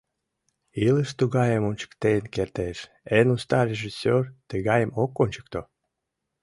— Илыш тугайым ончыктен кертеш, эн уста режиссёр тыгайым ок ончыкто».